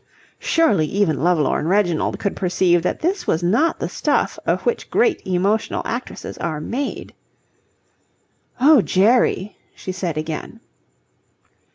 Surely even lovelorn Reginald could perceive that this was not the stuff of which great emotional actresses are made. "Oh, Jerry!" she said again.